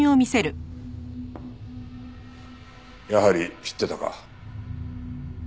やはり知ってたか。